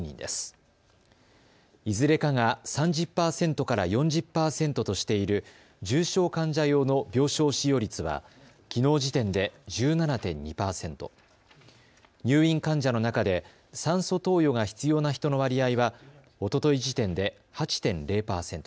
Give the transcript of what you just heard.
いずれかが３０％から４０％としている重症患者用の病床使用率はきのう時点で１７．２％、入院患者の中で酸素投与が必要な人の割合はおととい時点で８．０％です。